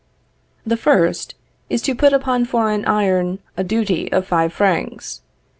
The first, is to put upon foreign iron a duty of five francs.